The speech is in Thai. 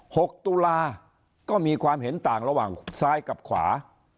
หกตุลาก็มีความเห็นต่างระหว่างซ้ายกับขวา